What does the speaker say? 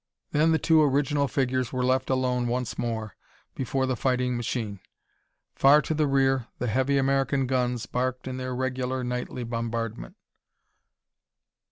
Then the two original figures were left alone once more before the fighting machine. Far to the rear, the heavy American guns barked in their regular nightly bombardment.